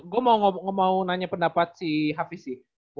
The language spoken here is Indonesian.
gue mau nanya pendapat si hafiz sih